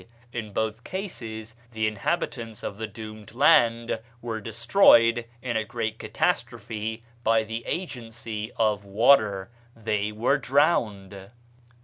In both cases the inhabitants of the doomed land were destroyed in a great catastrophe by the agency of water; they were drowned.